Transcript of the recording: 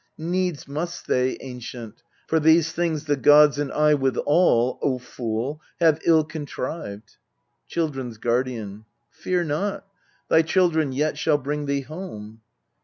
Needs must they, ancient ; for these things the gods And 1 withal O fool ! have ill contrived. Children s Guardian. Fear not : thy children yet shall bring thee home.